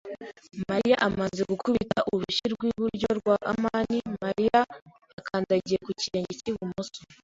Mariya amaze gukubita urushyi rw'iburyo rwa amani, Mariya yakandagiye ku kirenge cy'ibumoso.